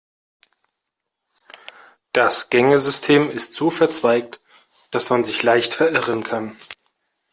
Das Gängesystem ist so verzweigt, dass man sich leicht verirren kann.